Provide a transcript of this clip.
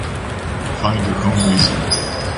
Find your own reason.